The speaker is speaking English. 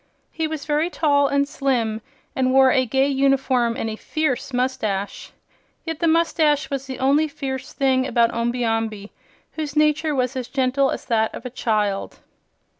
He was very tall and slim and wore a gay uniform and a fierce mustache. Yet the mustache was the only fierce thing about Omby Amby, whose nature was as gentle as that of a child.